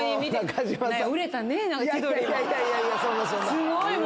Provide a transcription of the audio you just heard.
すごいわ。